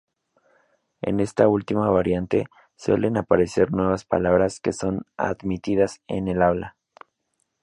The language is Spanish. En esta última variante suelen aparecer nuevas palabras que son admitidas en el habla.